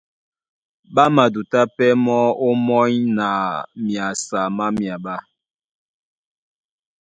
Ɓá madutá pɛ́ mɔ́ ómɔ́ny na myasa má myaɓá.